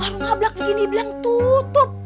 warung ablak begini bilang tutup